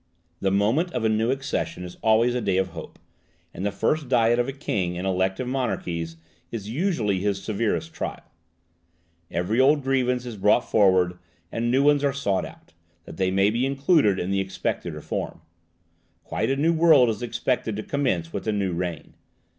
The moment of a new accession is always a day of hope; and the first Diet of a king in elective monarchies is usually his severest trial. Every old grievance is brought forward, and new ones are sought out, that they may be included in the expected reform; quite a new world is expected to commence with the new reign.